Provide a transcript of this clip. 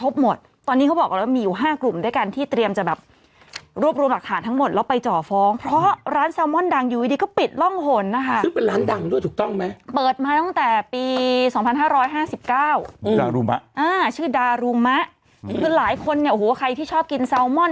เปิดมาตั้งแต่ปี๒๕๕๙ชื่อดารุมะหลายคนเนี่ยใครที่ชอบกินแซลมอน